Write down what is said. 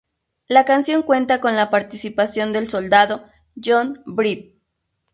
La canción cuenta con la participación del soldado "John Britt".